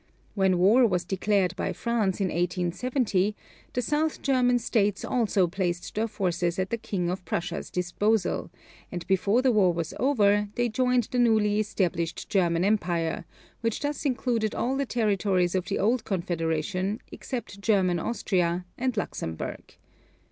When war was declared by France in 1870, the South German States also placed their forces at the King of Prussia's disposal; and before the war was over they joined the newly established German Empire, which thus included all the territories of the old Confederation except German Austria and Luxemburg.